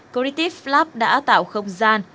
creative lab đã tạo không gian